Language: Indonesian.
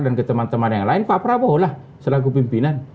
dan ke teman teman yang lain pak prabowo lah selaku pimpinan